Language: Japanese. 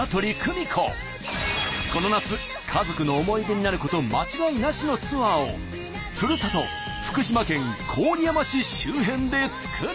この夏家族の思い出になること間違いなしのツアーをふるさと福島県郡山市周辺で作る！